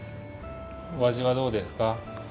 おあじはどうですか？